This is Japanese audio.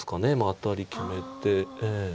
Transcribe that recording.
アタリ決めて。